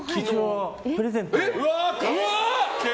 プレゼントを。